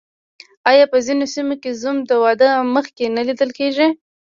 آیا په ځینو سیمو کې زوم د واده مخکې نه لیدل کیږي؟